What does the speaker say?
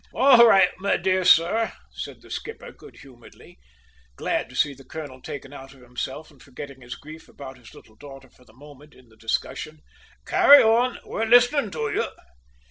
"All right, my dear sir," said the skipper good humouredly, glad to see the colonel taken out of himself and forgetting his grief about his little daughter for the moment in the discussion. "Carry on; we're listening to you!"